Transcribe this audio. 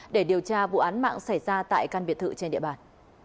để điều tra vụ án mạng xảy ra tại căn biệt thự trên địa bàn